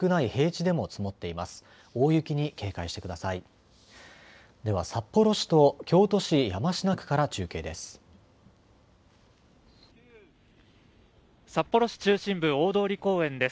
では札幌市と京都市山科区から中継です。